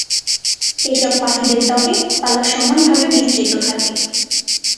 এসব পাখিদের ত্বকে পালক সমানভাবে বিস্তৃত থাকে।